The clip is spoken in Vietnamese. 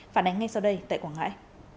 phản ánh ngay sau đây tại quảng ngãi